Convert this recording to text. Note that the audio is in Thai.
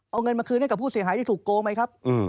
เอาเงินมาคืนให้กับผู้เสียหายที่ถูกโกงไหมครับ